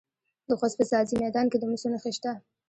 د خوست په ځاځي میدان کې د مسو نښې شته.